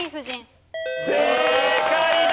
正解だ！